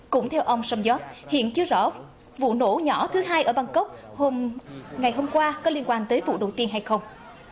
cũng theo ông somjot hiện chưa rõ vụ nổ nhỏ thứ hai ở bangkok ngày hôm qua có liên quan tới vụ đầu tiên hay không